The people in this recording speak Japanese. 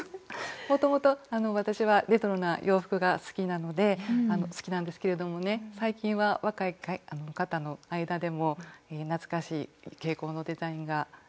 もともと私はレトロな洋服が好きなので好きなんですけれどもね最近は若い方の間でも懐かしい傾向のデザインが人気ですよね。